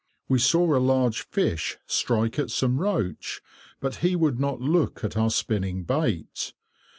We saw a large fish strike at some roach, but he would not look at our spinning bait.